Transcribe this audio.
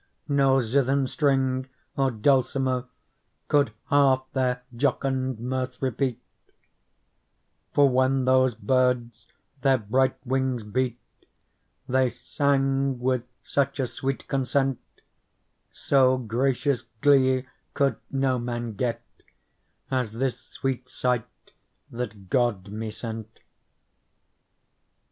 No zithern string or dulcimer Could half their jocund mirth repeat : For, when those birds their bright wings beat, They sang with such a sweet consent, So gracious glee could no man get As this sweet sight that God me sent.